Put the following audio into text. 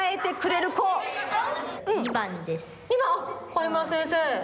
上村先生。